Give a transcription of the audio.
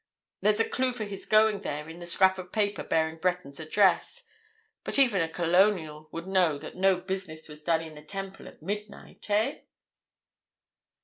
There's a clue for his going there in the scrap of paper bearing Breton's address, but even a Colonial would know that no business was done in the Temple at midnight, eh?"